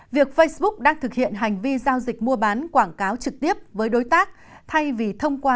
việc facebook đang thực hiện hành vi giao dịch mua bán quảng cáo trực tiếp với đối tác thay vì thông qua